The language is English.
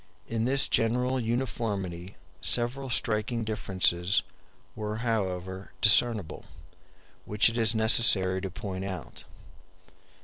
In this general uniformity several striking differences were however discernible, which it is necessary to point out.